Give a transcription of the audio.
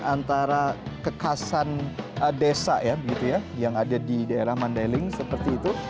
antara kekasan desa ya begitu ya yang ada di daerah mandailing seperti itu